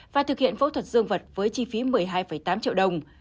và thực hiện phẫu thuật dương vật với chi phí một mươi hai tám triệu đồng